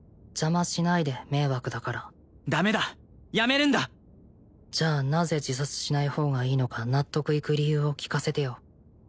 邪魔しないで迷惑だからダメだやめるんだじゃあなぜ自殺しない方がいいのか納得いく理由を聞かせてよ